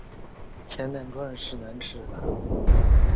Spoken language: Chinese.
阿马朗人口变化图示